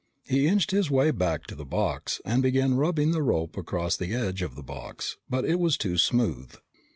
He inched his way back to the box and began rubbing the rope across the edge of the box, but it was too smooth.